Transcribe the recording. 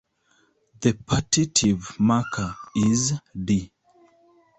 The partitive marker is "-d".